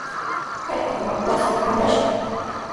Kaytrawmi wasita rurashaq.